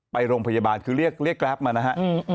ไปโรงพยาบาลคือเรียกแกรปมานะฮะ